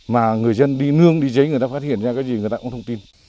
mà người dân đi nương đi giấy người ta phát hiện ra cái gì người ta cũng thông tin